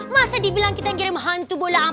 masa dibilang kita yang kirim hantu bola angin ya